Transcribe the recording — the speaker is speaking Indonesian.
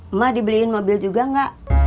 emak dibeliin mobil juga enggak